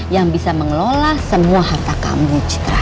yang bisa mengelola semua harta kambuh citra